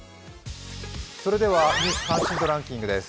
「ニュース関心度ランキング」です。